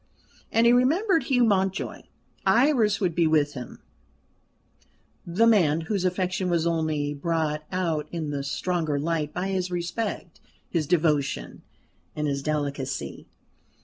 And he remembered Hugh Mountjoy. Iris would be with him the man whose affection was only brought out in the stronger light by his respect, his devotion, and his delicacy.